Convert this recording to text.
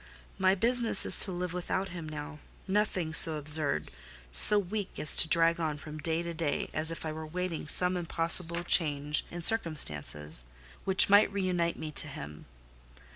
My business is to live without him now: nothing so absurd, so weak as to drag on from day to day, as if I were waiting some impossible change in circumstances, which might reunite me to him.